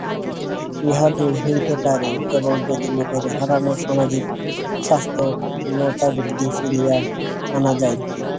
ইহা দূর হইতে পারে, কেবল যদি লোকের হারানো সামাজিক স্বাতন্ত্র্যবুদ্ধি ফিরাইয়া আনা যায়।